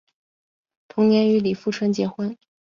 同年与李富春结婚。